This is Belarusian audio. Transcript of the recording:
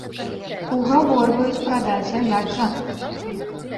Угаворваюць прадаць, а як жа!